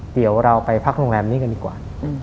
เดี๋ยวเราไปพักโรงแรมนี้กันดีกว่า